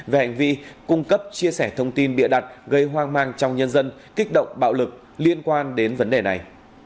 về hành vi cung cấp chia sẻ thông tin bịa đặt gây hoang mang trong nhân dân kích động bạo lực liên quan đến vấn đề này